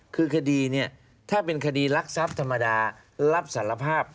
คือคดีเนี่ยถ้าเป็นคดีรักทรัพย์ธรรมดารับสารภาพ